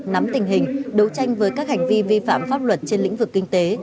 nắm tình hình đấu tranh với các hành vi vi phạm pháp luật trên lĩnh vực kinh tế